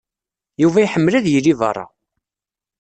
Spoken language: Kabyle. Yuba iḥemmel ad yili beṛṛa.